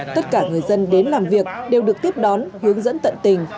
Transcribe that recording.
tất cả người dân đến làm việc đều được tiếp đón hướng dẫn tận tình